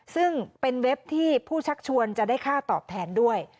ซึ่งเป็นเว็บที่ผู้ชักชวนจะได้ค่าตอบแทนด้วย